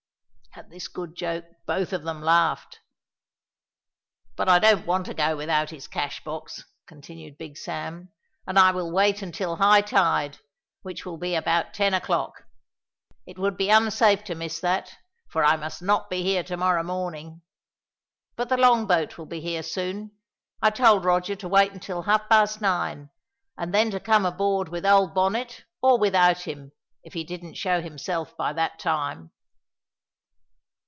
At this good joke, both of them laughed. "But I don't want to go without his cash box," continued Big Sam, "and I will wait until high tide, which will be about ten o'clock. It would be unsafe to miss that, for I must not be here to morrow morning. But the long boat will be here soon. I told Roger to wait until half past nine, and then to come aboard with old Bonnet or without him, if he didn't show himself by that time."